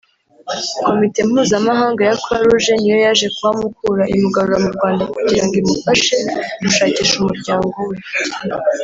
Komite Mpuzamahanga ya Croix-Rouge ni yo yaje kuhamukura imugarura mu Rwanda kugira ngo imufashe gushakisha umuryango we